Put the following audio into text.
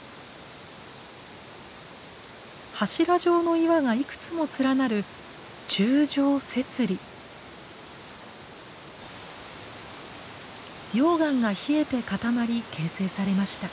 柱状の岩がいくつも連なる溶岩が冷えて固まり形成されました。